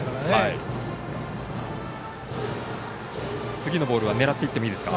次のボールは狙っていってもいいですか。